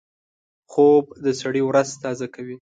خوب د سړي ورځ تازه کوي